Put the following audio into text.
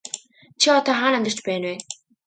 Чи одоо хаана амьдарч байна вэ?